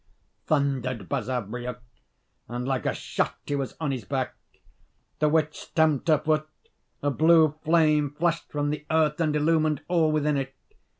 thundered Basavriuk; and like a shot he was on his back. The witch stamped her foot: a blue flame flashed from the earth and illumined all within it.